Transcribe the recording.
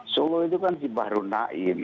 solo itu kan si bahru naim